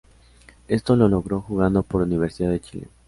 Esto lo logró jugando por Universidad de Chile.